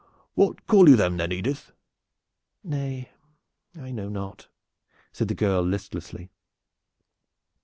What call you them, then, Edith?" "Nay, I know not," said the girl listlessly.